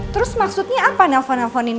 terus maksudnya apa nelfon nelfonin nino